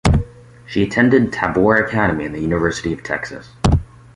She attended Tabor Academy and the University of Texas.